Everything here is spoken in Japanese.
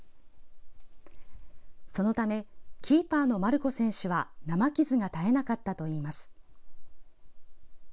そのためキーパーのマルコ選手は生傷が絶えなかったといいます。